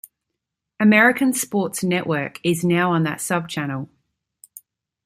American Sports Network is now on that subchannel.